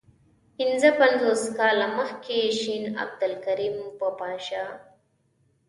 پنځه پنځوس کاله مخکي شین عبدالکریم وواژه.